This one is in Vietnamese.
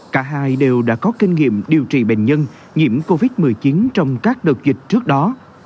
cả hai đều đã có kinh nghiệm điều trị bệnh nhân nhiễm covid một mươi chín trong các đợt dịch trước đó